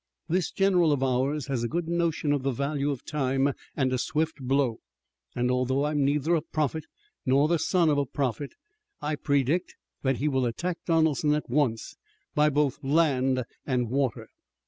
This general of ours has a good notion of the value of time and a swift blow, and, although I'm neither a prophet nor the son of a prophet, I predict that he will attack Donelson at once by both land and water."